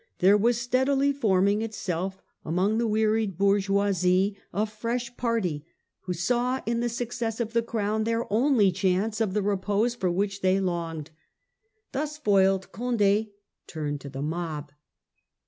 there was steadily forming itself among the wearied bourgeoisie a fresh party, who saw in the success of the Crown their only chance of the repose for which they longed. Thus foiled Conde turned to the mob.